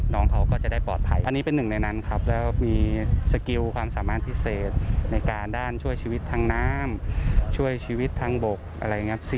น้องเขาก็จะได้ปลอดภัยอันนี้เป็นหนึ่งในนั้นครับแล้วมีสกิลความสามารถพิเศษในการด้านช่วยชีวิตทางน้ำช่วยชีวิตทางบกอะไรอย่างนี้